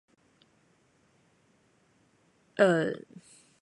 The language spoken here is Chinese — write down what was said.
我的牛牛立了